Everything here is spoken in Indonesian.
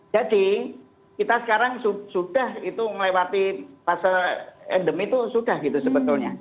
jadi kita sekarang sudah itu melewati fase endemi itu sudah gitu sebetulnya